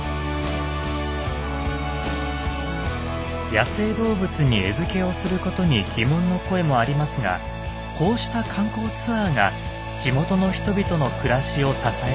野生動物に餌付けをすることに疑問の声もありますがこうした観光ツアーが地元の人々の暮らしを支えているのです。